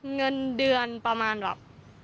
เงินเดือนประมาณแบบ